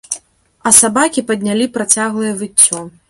А сабакі паднялі працяглае выццё.